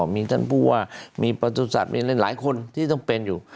มีตั้นผู้ว่ามีประตูศัพท์มีอะไรหลายคนที่ต้องเป็นอยู่